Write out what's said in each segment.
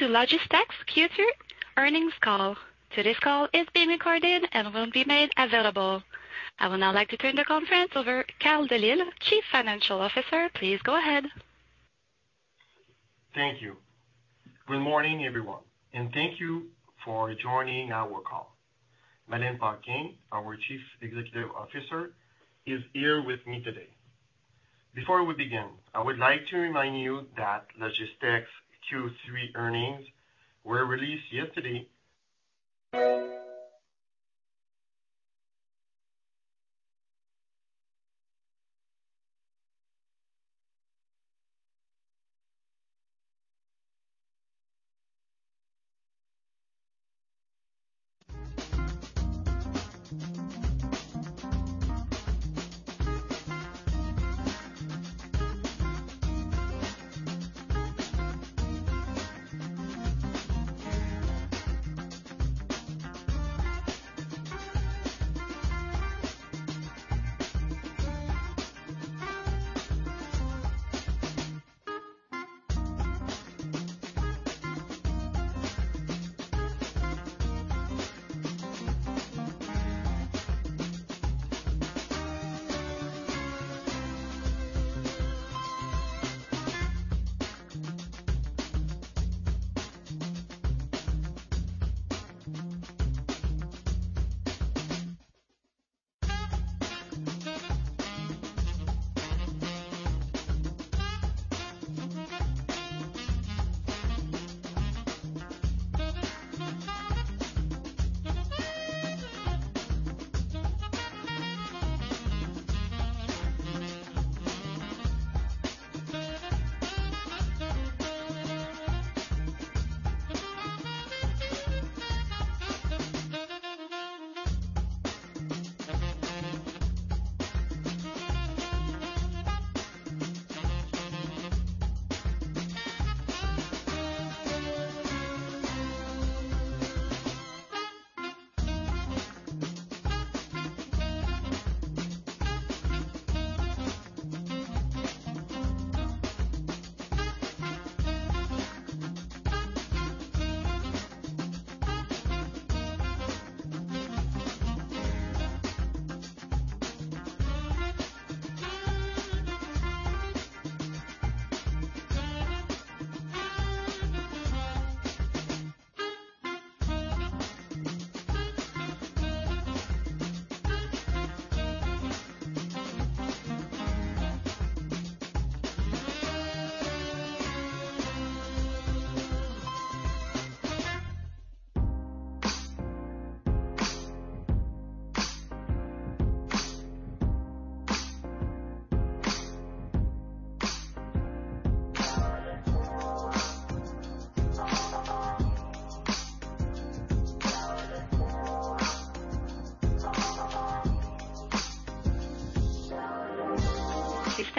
Welcome to Logistec's Q3 earnings call. Today's call is being recorded and will be made available. I would now like to turn the conference over to Carl Delisle, Chief Financial Officer. Please go ahead. Thank you. Good morning, everyone, and thank you for joining our call. Madeleine Paquin, our Chief Executive Officer, is here with me today. Before we begin, I would like to remind you that Logistec's Q3 earnings were released yesterday.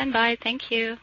Please stand by. Thank you.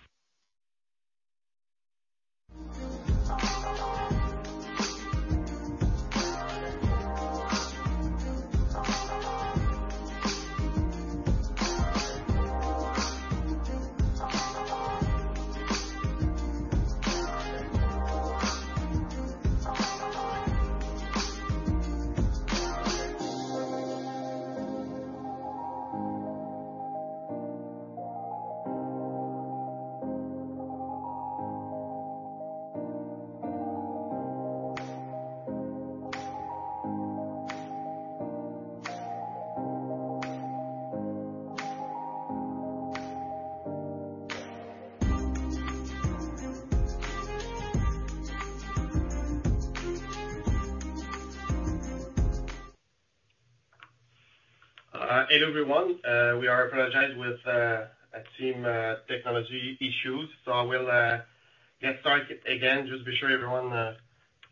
Hello, everyone. We apologize with team technology issues, I will get started again just to be sure everyone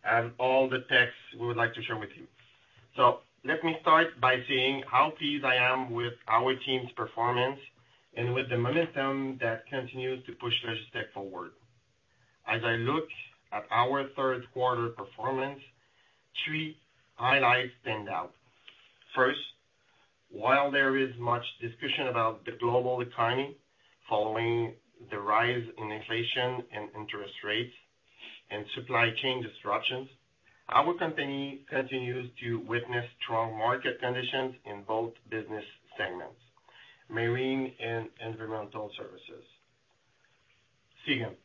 has all the texts we would like to share with you. Let me start by saying how pleased I am with our team's performance and with the momentum that continues to push Logistec forward. As I look at our Q3 performance, three highlights stand out. First, while there is much discussion about the global economy following the rise in inflation and interest rates and supply chain disruptions, our company continues to witness strong market conditions in both business segments, marine and environmental services. Second,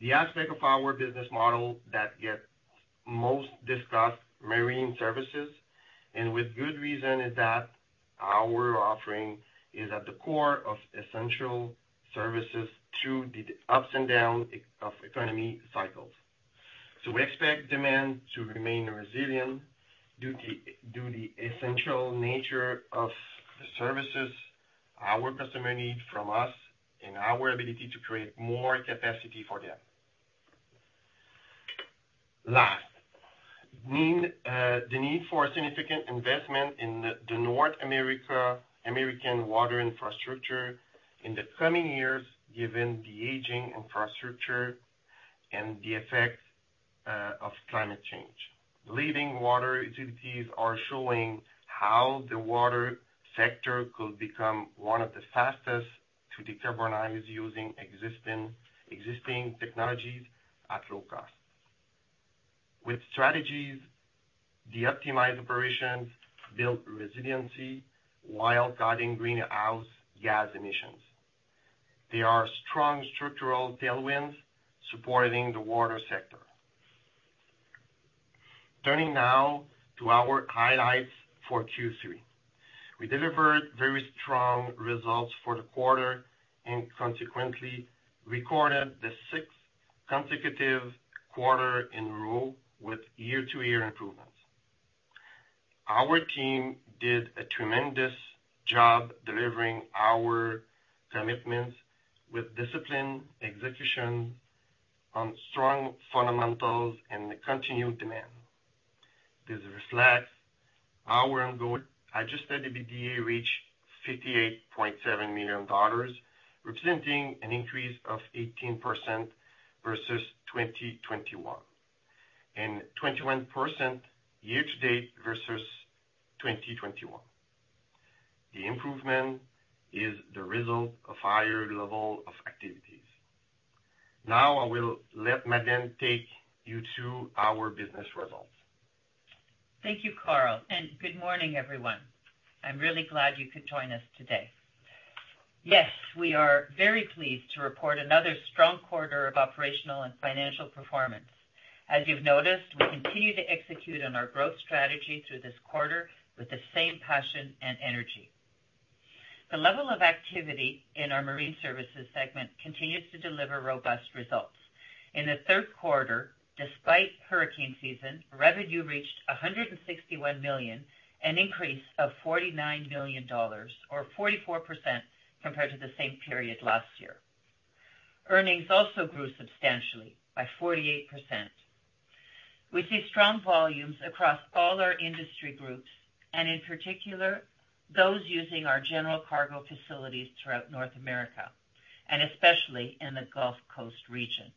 the aspect of our business model that gets most discussed, marine services, and with good reason, is that our offering is at the core of essential services through the ups and downs of economic cycles. We expect demand to remain resilient due to the essential nature of the services our customers need from us and our ability to create more capacity for them. Last, the need for significant investment in the North American water infrastructure in the coming years, given the aging infrastructure and the effect of climate change. Leading water utilities are showing how the water sector could become one of the fastest to decarbonize using existing technologies at low cost. With strategies, the optimized operations build resiliency while cutting greenhouse gas emissions. There are strong structural tailwinds supporting the water sector. Turning now to our highlights for Q3. We delivered very strong results for the quarter and consequently recorded the sixth consecutive quarter in row with year-to-year improvements. Our team did a tremendous job delivering our commitments with discipline, execution on strong fundamentals, and the continued demand. This reflects our ongoing adjusted EBITDA reached 58.7 million dollars, representing an increase of 18% versus 2021, and 21% year-to-date versus 2021. The improvement is the result of higher level of activities. Now I will let Madeleine take you to our business results. Thank you, Carl. Good morning, everyone. I am really glad you could join us today. Yes, we are very pleased to report another strong quarter of operational and financial performance. As you have noticed, we continue to execute on our growth strategy through this quarter with the same passion and energy. The level of activity in our marine services segment continues to deliver robust results. In the Q3, despite hurricane season, revenue reached 161 million, an increase of 49 million dollars or 44% compared to the same period last year. Earnings also grew substantially by 48%. We see strong volumes across all our industry groups and, in particular, those using our general cargo facilities throughout North America, and especially in the Gulf Coast region.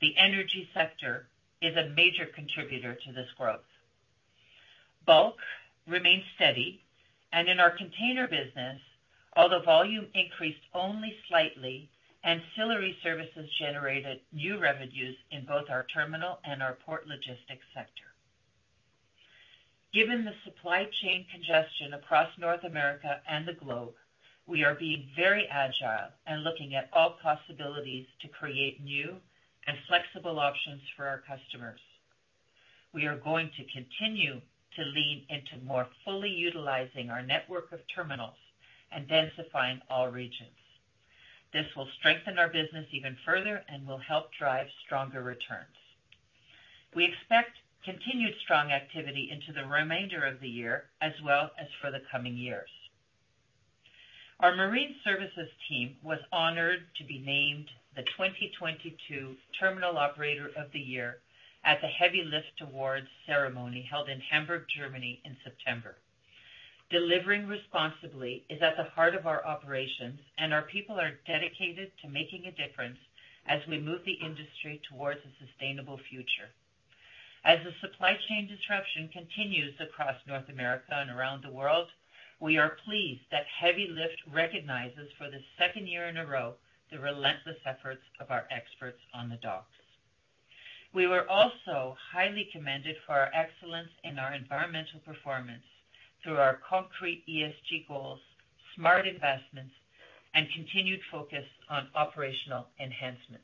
The energy sector is a major contributor to this growth. Bulk remains steady, and in our container business, although volume increased only slightly, ancillary services generated new revenues in both our terminal and our port logistics sector. Given the supply chain congestion across North America and the globe, we are being very agile and looking at all possibilities to create new and flexible options for our customers. We are going to continue to lean into more fully utilizing our network of terminals and densifying all regions. This will strengthen our business even further and will help drive stronger returns. We expect continued strong activity into the remainder of the year as well as for the coming years. Our marine services team was honored to be named the 2022 Terminal Operator of the Year at the Heavy Lift Awards ceremony held in Hamburg, Germany in September. Delivering responsibly is at the heart of our operations, and our people are dedicated to making a difference as we move the industry towards a sustainable future. As the supply chain disruption continues across North America and around the world, we are pleased that Heavy Lift recognizes for the second year in a row the relentless efforts of our experts on the docks. We were also highly commended for our excellence in our environmental performance through our concrete ESG goals, smart investments, and continued focus on operational enhancements.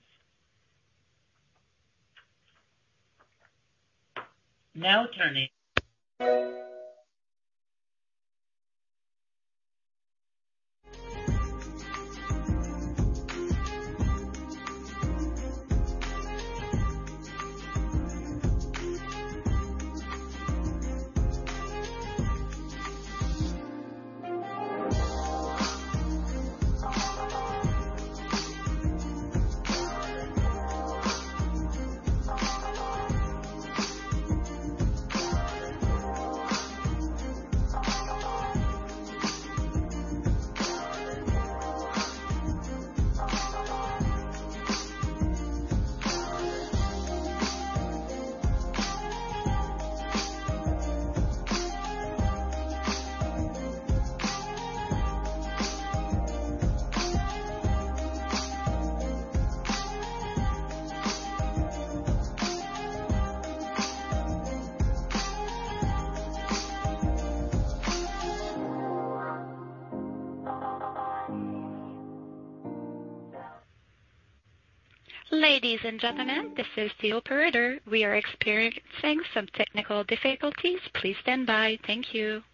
Ladies and gentlemen, this is the operator. We are experiencing some technical difficulties. Please stand by. Thank you.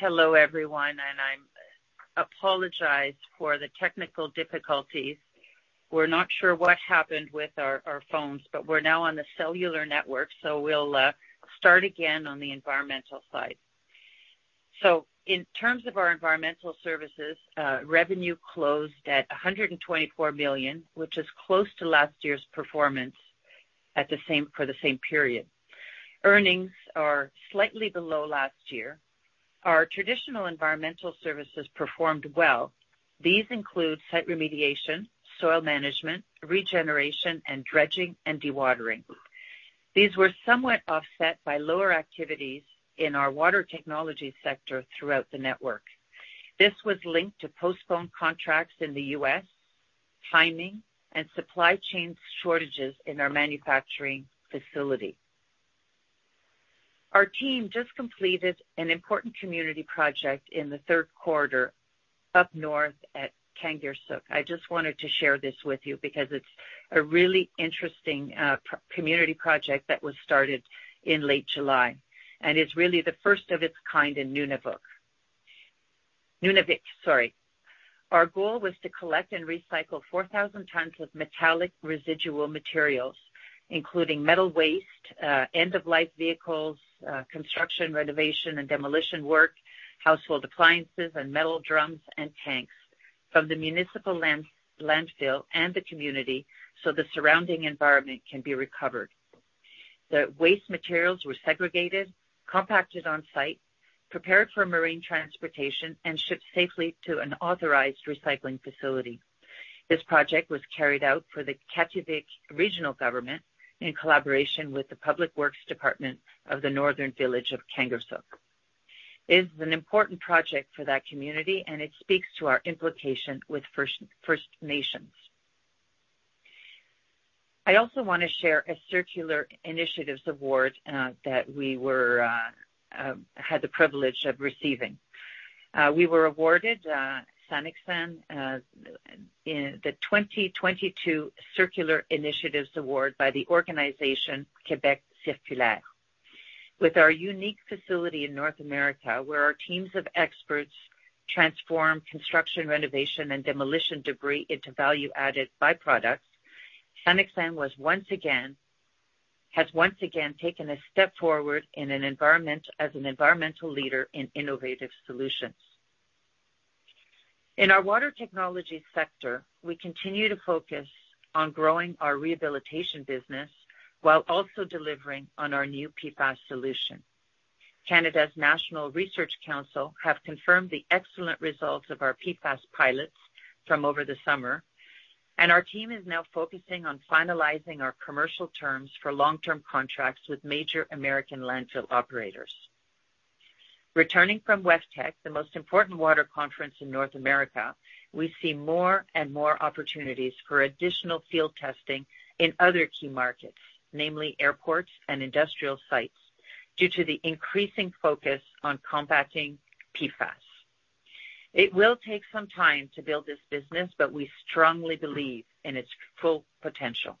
Hello, everyone, and I apologize for the technical difficulties. We're not sure what happened with our phones, but we're now on the cellular network, so we'll start again on the environmental side. In terms of our environmental services, revenue closed at 124 million, which is close to last year's performance for the same period. Earnings are slightly below last year. Our traditional environmental services performed well. These include site remediation, soil management, regeneration, and dredging and dewatering. These were somewhat offset by lower activities in our water technology sector throughout the network. This was linked to postponed contracts in the U.S., timing, and supply chain shortages in our manufacturing facility. Our team just completed an important community project in Q3 up north at Kangiqsualujjuaq. I just wanted to share this with you because it's a really interesting community project that was started in late July, and it's really the first of its kind in Nunavik. Our goal was to collect and recycle 4,000 tons of metallic residual materials, including metal waste, end-of-life vehicles, construction, renovation, and demolition work, household appliances, and metal drums and tanks from the municipal landfill and the community, so the surrounding environment can be recovered. The waste materials were segregated, compacted on-site, prepared for marine transportation, and shipped safely to an authorized recycling facility. This project was carried out for the Kativik Regional Government in collaboration with the Public Works Department of the northern village of Kangiqsualujjuaq. It's an important project for that community, and it speaks to our implication with First Nations. I also want to share a Circular Initiatives Award that we had the privilege of receiving. We were awarded, SANEXEN, the 2022 Circular Initiatives Award by the organization Québec Circulaire. With our unique facility in North America, where our teams of experts transform construction, renovation, and demolition debris into value-added byproducts, SANEXEN has once again taken a step forward as an environmental leader in innovative solutions. In our water technology sector, we continue to focus on growing our rehabilitation business while also delivering on our new PFAS solution. National Research Council Canada have confirmed the excellent results of our PFAS pilots from over the summer, and our team is now focusing on finalizing our commercial terms for long-term contracts with major American landfill operators. Returning from WEFTEC, the most important water conference in North America, we see more and more opportunities for additional field testing in other key markets, namely airports and industrial sites, due to the increasing focus on combating PFAS. It will take some time to build this business, but we strongly believe in its full potential.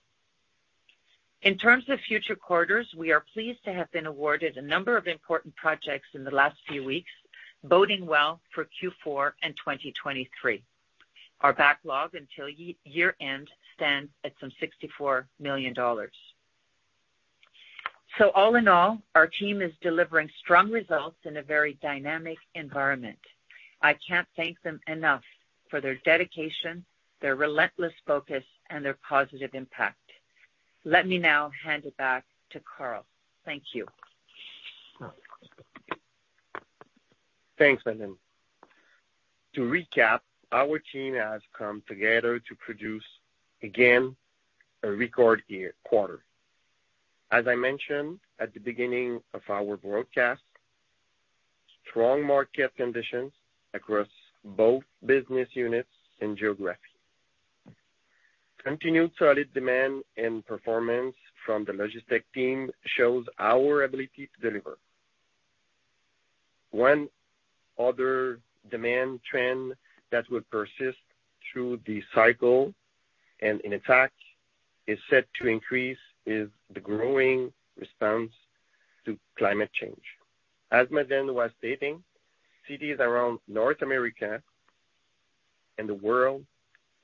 In terms of future quarters, we are pleased to have been awarded a number of important projects in the last few weeks, boding well for Q4 and 2023. Our backlog until year-end stands at some 64 million dollars. All in all, our team is delivering strong results in a very dynamic environment. I can't thank them enough for their dedication, their relentless focus, and their positive impact. Let me now hand it back to Carl. Thank you. Thanks, Madeleine. To recap, our team has come together to produce, again, a record quarter. As I mentioned at the beginning of our broadcast, strong market conditions across both business units and geography, continued solid demand and performance from the Logistec team shows our ability to deliver. One other demand trend that will persist through the cycle, and in fact is set to increase, is the growing response to climate change. As Madeleine was stating, cities around North America and the world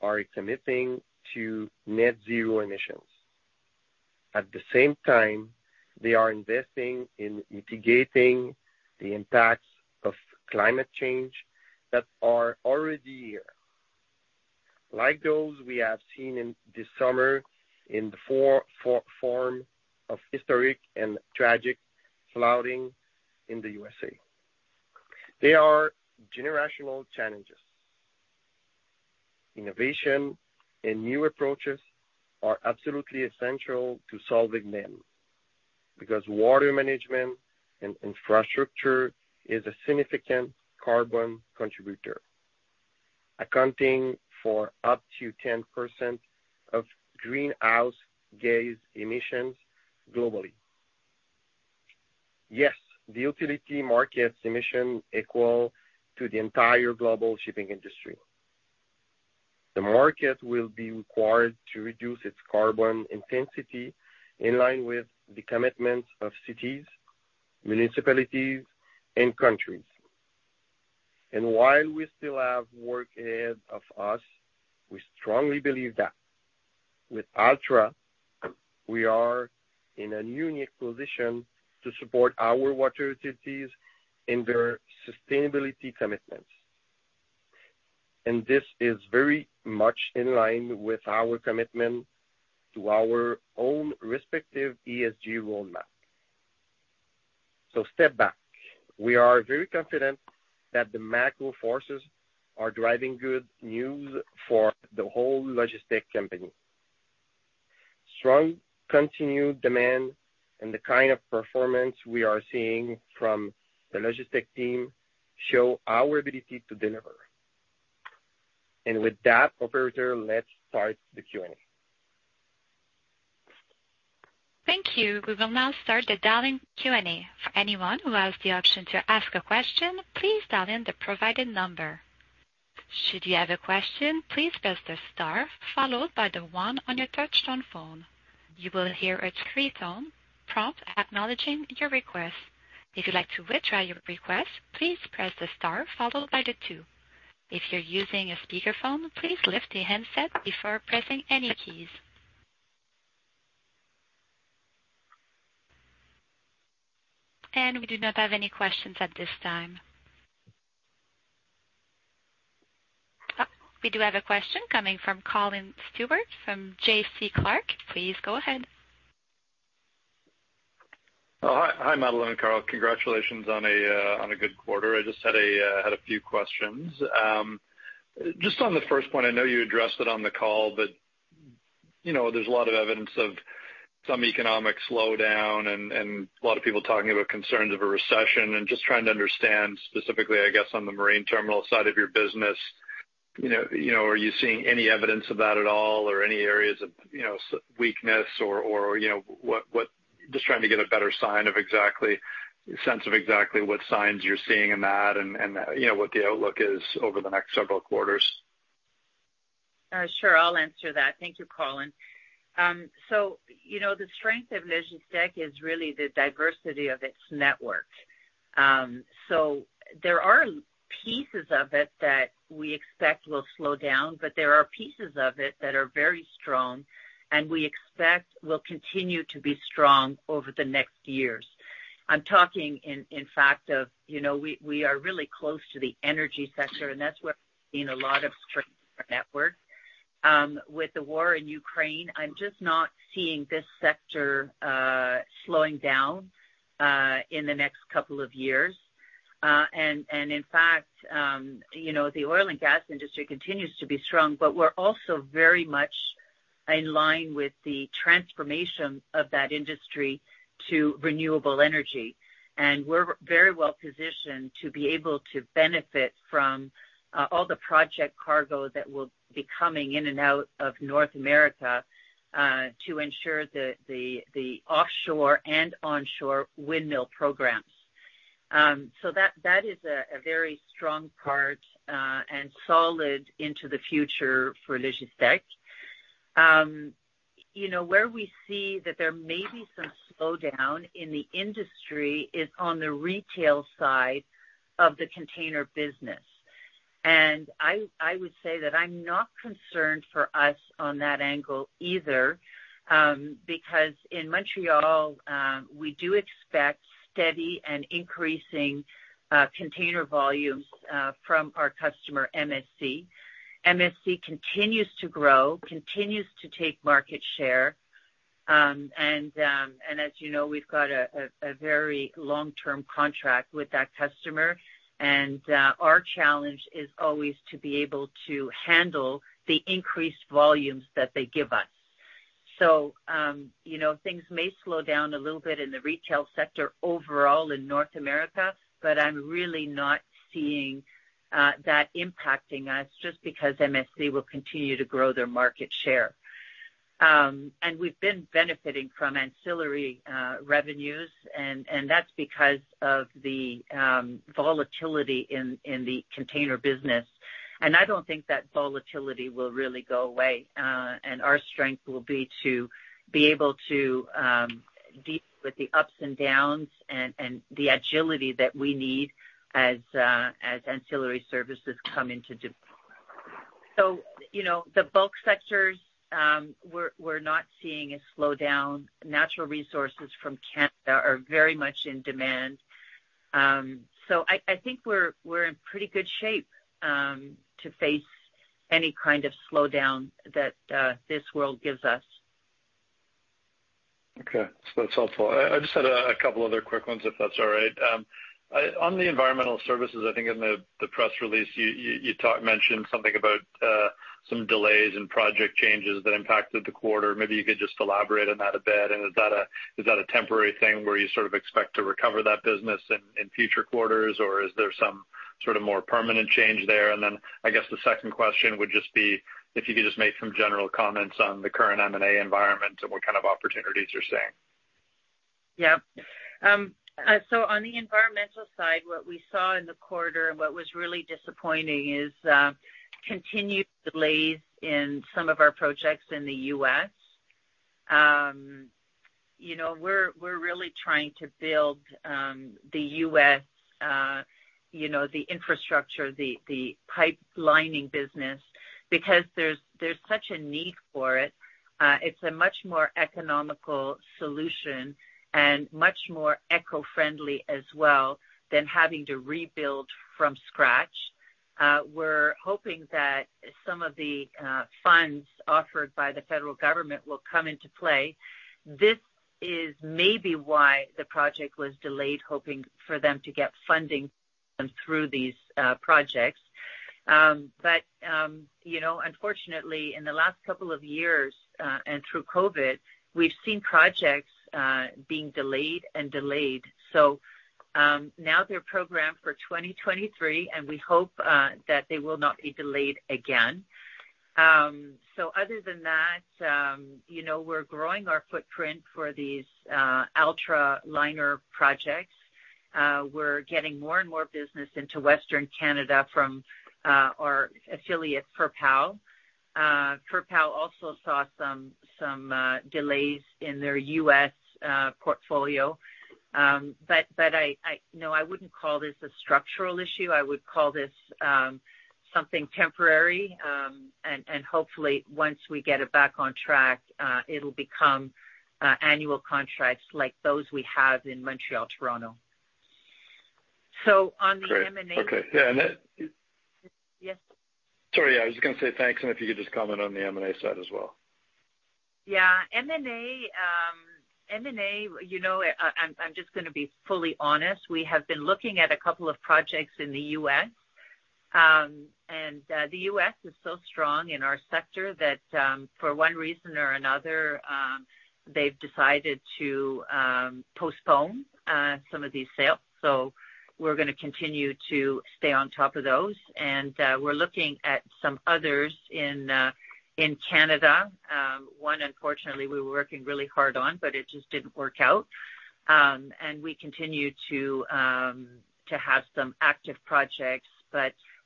are committing to net zero emissions. At the same time, they are investing in mitigating the impacts of climate change that are already here. Like those we have seen in the summer in the form of historic and tragic flooding in the U.S. They are generational challenges. Innovation and new approaches are absolutely essential to solving them, because water management and infrastructure is a significant carbon contributor, accounting for up to 10% of greenhouse gas emissions globally. Yes, the utility market's emission equal to the entire global shipping industry. The market will be required to reduce its carbon intensity in line with the commitments of cities, municipalities, and countries. While we still have work ahead of us, we strongly believe that with ALTRA, we are in a unique position to support our water utilities in their sustainability commitments. This is very much in line with our commitment to our own respective ESG roadmap. Step back. We are very confident that the macro forces are driving good news for the whole Logistec company. Strong continued demand and the kind of performance we are seeing from the Logistec team show our ability to deliver. With that, operator, let's start the Q&A. Thank you. We will now start the dialing Q&A for anyone who has the option to ask a question, please dial in the provided number. Should you have a question? Please press the star followed by the one on your touch-tone phone. You will hear a three tone prompt acknowledging your request. If you like to retry your request, please press the star followed by the two. If you're using a speakerphone, please lift the handset before pressing any keys. We do not have any questions at this time. We do have a question coming from Colin Stewart from JC Clark. Please go ahead. Hi, Madeleine and Carl. Congratulations on a good quarter. I just had a few questions. On the first point, I know you addressed it on the call, but there's a lot of evidence of some economic slowdown and a lot of people talking about concerns of a recession and just trying to understand specifically, I guess, on the marine terminal side of your business, are you seeing any evidence of that at all or any areas of weakness? Trying to get a better sense of exactly what signs you're seeing in that and what the outlook is over the next several quarters. Sure. I'll answer that. Thank you, Colin. The strength of Logistec is really the diversity of its network. There are pieces of it that we expect will slow down, but there are pieces of it that are very strong and we expect will continue to be strong over the next years. I'm talking in fact of, we are really close to the energy sector, and that's where we've seen a lot of strength in our network. With the war in Ukraine, I'm just not seeing this sector slowing down, in the next couple of years. In fact, the oil and gas industry continues to be strong, but we're also very much in line with the transformation of that industry to renewable energy. We're very well positioned to be able to benefit from all the project cargo that will be coming in and out of North America, to ensure the offshore and onshore windmill programs. That is a very strong part, and solid into the future for Logistec. Where we see that there may be some slowdown in the industry is on the retail side of the container business. I would say that I'm not concerned for us on that angle either, because in Montréal, we do expect steady and increasing container volumes from our customer, MSC. MSC continues to grow, continues to take market share. As you know, we've got a very long-term contract with that customer, and our challenge is always to be able to handle the increased volumes that they give us. Things may slow down a little bit in the retail sector overall in North America, but I'm really not seeing that impacting us just because MSC will continue to grow their market share. We've been benefiting from ancillary revenues, and that's because of the volatility in the container business. I don't think that volatility will really go away. Our strength will be to be able to deal with the ups and downs and the agility that we need. The bulk sectors, we're not seeing a slowdown. Natural resources from Canada are very much in demand. I think we're in pretty good shape to face any kind of slowdown that this world gives us. Okay. That's helpful. I just had a couple other quick ones, if that's all right. On the environmental services, I think in the press release, you mentioned something about some delays and project changes that impacted the quarter. Maybe you could just elaborate on that a bit. Is that a temporary thing where you sort of expect to recover that business in future quarters, or is there some sort of more permanent change there? Then I guess the second question would just be if you could just make some general comments on the current M&A environment and what kind of opportunities you're seeing. Yeah. On the environmental side, what we saw in the quarter and what was really disappointing is continued delays in some of our projects in the U.S. We're really trying to build the U.S., the infrastructure, the pipe lining business, because there's such a need for it. It's a much more economical solution and much more eco-friendly as well than having to rebuild from scratch. We're hoping that some of the funds offered by the federal government will come into play. This is maybe why the project was delayed, hoping for them to get funding through these projects. Unfortunately, in the last couple of years, and through COVID, we've seen projects being delayed and delayed. Now they're programmed for 2023, and we hope that they will not be delayed again. Other than that, we're growing our footprint for these ALTRA liner projects. We're getting more and more business into Western Canada from our affiliate, FER-PAL. FER-PAL also saw some delays in their U.S. portfolio. No, I wouldn't call this a structural issue. I would call this something temporary, and hopefully once we get it back on track, it'll become annual contracts like those we have in Montréal, Toronto. On the M&A- Great. Okay. Yeah. Yes? Sorry. I was just going to say thanks. If you could just comment on the M&A side as well. Yeah. M&A, I'm just going to be fully honest. We have been looking at a couple of projects in the U.S., the U.S. is so strong in our sector that, for one reason or another, they've decided to postpone some of these sales. We're going to continue to stay on top of those. We're looking at some others in Canada. One, unfortunately, we were working really hard on, it just didn't work out. We continue to have some active projects,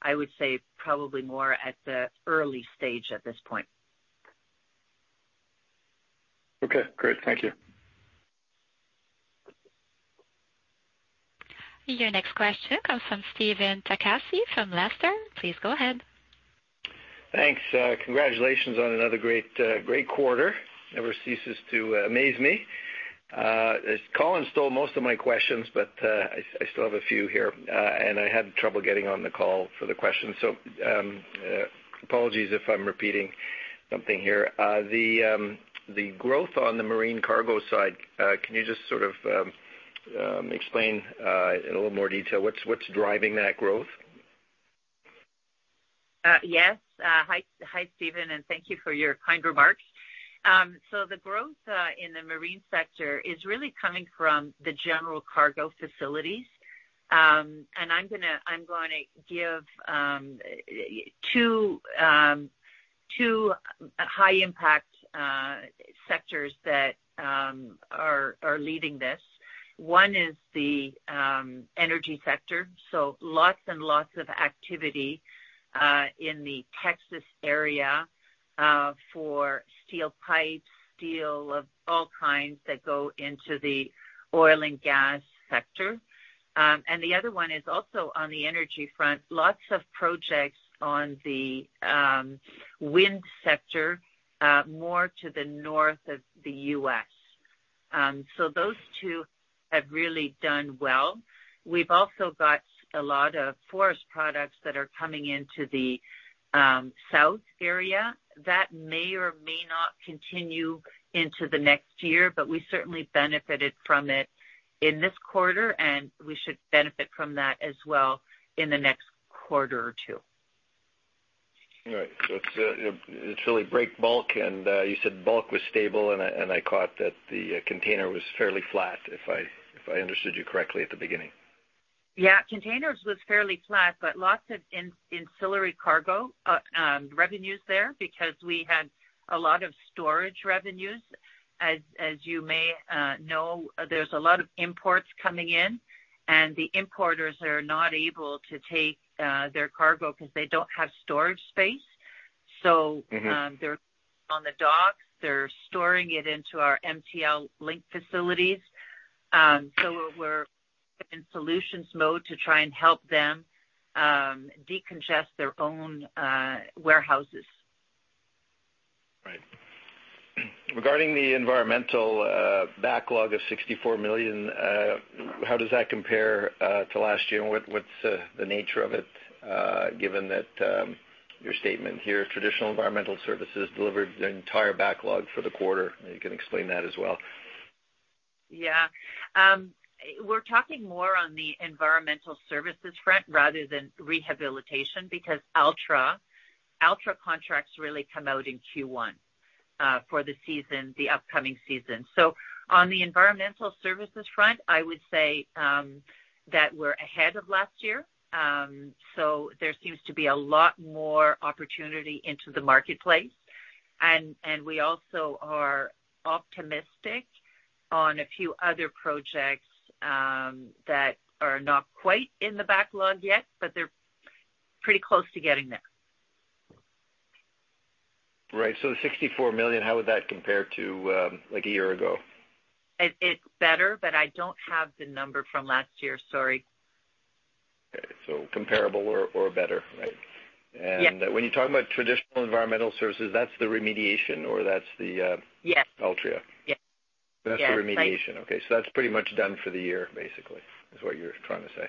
I would say probably more at the early stage at this point. Okay, great. Thank you. Your next question comes from Stephen Takacsy from Lester. Please go ahead. Thanks. Congratulations on another great quarter. Never ceases to amaze me. Colin stole most of my questions, but I still have a few here. I had trouble getting on the call for the questions. Apologies if I'm repeating something here. The growth on the marine cargo side, can you just sort of explain in a little more detail what's driving that growth? Yes. Hi, Stephen, thank you for your kind remarks. The growth in the marine sector is really coming from the general cargo facilities. I'm going to give two high impact sectors that are leading this. One is the energy sector, so lots and lots of activity in the Texas area for steel pipes, steel of all kinds that go into the oil and gas sector. The other one is also on the energy front, lots of projects on the wind sector, more to the north of the U.S. Those two have really done well. We've also got a lot of forest products that are coming into the south area. That may or may not continue into the next year, but we certainly benefited from it in this quarter, and we should benefit from that as well in the next quarter or two. All right. It's really break bulk, and you said bulk was stable, and I caught that the container was fairly flat, if I understood you correctly at the beginning. Yeah. Containers was fairly flat, but lots of ancillary cargo revenues there because we had a lot of storage revenues. As you may know, there's a lot of imports coming in, and the importers are not able to take their cargo because they don't have storage space. They're on the docks. They're storing it into our MtlLINK facilities. We're in solutions mode to try and help them decongest their own warehouses. Right. Regarding the environmental backlog of 64 million, how does that compare to last year, and what's the nature of it, given that your statement here, traditional environmental services delivered their entire backlog for the quarter? You can explain that as well. We're talking more on the environmental services front rather than rehabilitation because ALTRA contracts really come out in Q1 for the upcoming season. On the environmental services front, I would say that we're ahead of last year. There seems to be a lot more opportunity into the marketplace. We also are optimistic on a few other projects that are not quite in the backlog yet, but they're pretty close to getting there. Right. The 64 million, how would that compare to a year ago? It's better, but I don't have the number from last year. Sorry. Okay, comparable or better, right? Yeah. When you're talking about traditional environmental services, that's the remediation. Yes. -ALTRA. Yes. That's the remediation. Okay. That's pretty much done for the year, basically, is what you're trying to say?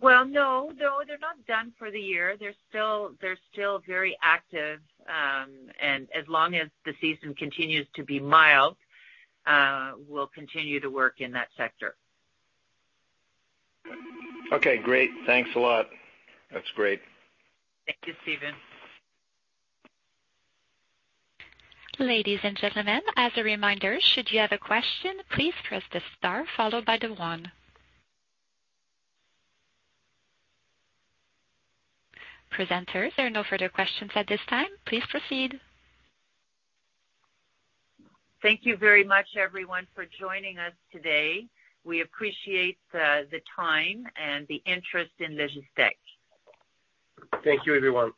No. They're not done for the year. They're still very active, and as long as the season continues to be mild, we'll continue to work in that sector. Okay, great. Thanks a lot. That's great. Thank you, Stephen. Ladies and gentlemen, as a reminder, should you have a question? Please press the star followed by the one. Presenter, there are no further questions at this time. Please proceed. Thank you very much, everyone, for joining us today. We appreciate the time and the interest in Logistec. Thank you, everyone.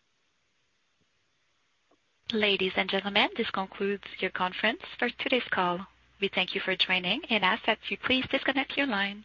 Ladies and gentlemen, this concludes your conference for today's call. We thank you for joining and ask that you please disconnect your lines.